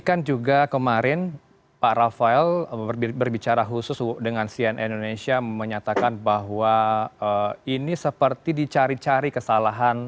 ini kan juga kemarin pak rafael berbicara khusus dengan cnn indonesia menyatakan bahwa ini seperti dicari cari kesalahan